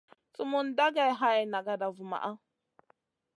Sumun dagey hay nagada vumaʼa.